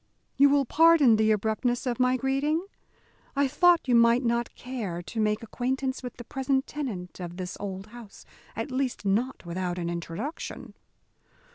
"You will pardon the abruptness of my greeting? I thought you might not care to make acquaintance with the present tenant of this old house at least not without an introduction."